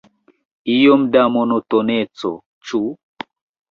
Iom da monotoneco, ĉu?